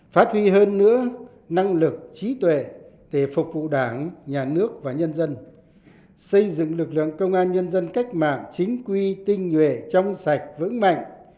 phát huy hơn nữa năng lực trí tuệ để phục vụ đảng nhà nước và nhân dân xây dựng lực lượng công an nhân dân cách mạng chính quy tinh nhuệ trong sạch vững mạnh